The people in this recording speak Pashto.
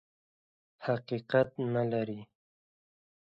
حقیقت نه لري.